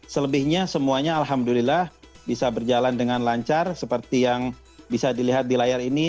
selebihnya semuanya alhamdulillah bisa berjalan dengan lancar seperti yang bisa dilihat di layar ini